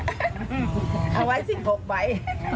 เอาไว้สิสมบัติ